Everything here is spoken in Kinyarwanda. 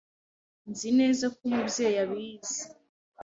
Nzi neza ko Umubyeyi abizi.